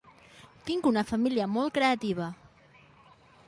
Tinc una família molt creativa.